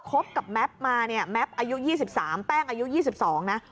บกับแม็ปมาเนี่ยแม็ปอายุ๒๓แป้งอายุ๒๒นะ